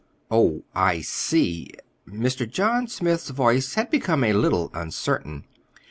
"Oh, I see." Mr. John Smith's voice had become a little uncertain.